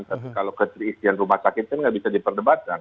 tapi kalau keterisian rumah sakitnya nggak bisa diperdebatkan